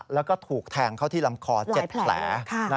แล้วก็ถูกแทงเข้าที่ลำคอ๗แผล